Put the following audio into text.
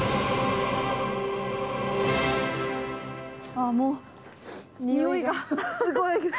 あー、もうにおいがすごい！